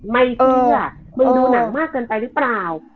มึงดูหนังมากเกินไปรึเปล่า